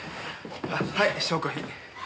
はい証拠品。